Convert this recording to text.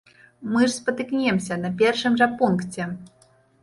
Мы ж спатыкнемся на першым жа пункце!